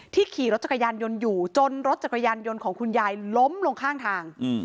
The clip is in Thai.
ขี่รถจักรยานยนต์อยู่จนรถจักรยานยนต์ของคุณยายล้มลงข้างทาง